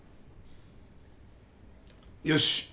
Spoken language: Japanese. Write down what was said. よし。